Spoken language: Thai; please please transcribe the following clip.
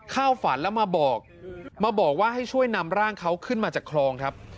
เข้าฝันแล้วมาบอกมาบอกว่าให้ช่วยนำร่างเขาขึ้นมาจากคลองครับ